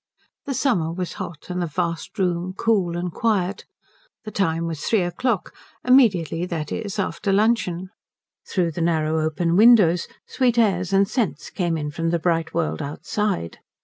The summer was hot, and the vast room cool and quiet. The time was three o'clock immediately, that is, after luncheon. Through the narrow open windows sweet airs and scents came in from the bright world outside.